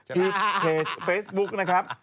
พิศบุ๊คนะครับ